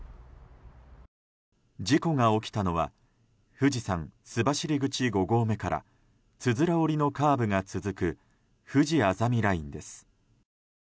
事故が起きたのは富士山須走口５合目からつづら折りのカーブが続くふじあざみラインです。